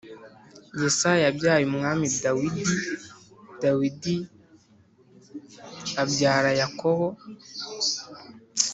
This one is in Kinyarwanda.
Yesaya yabyaye umwami dawidi ,dawidi abyara yakobo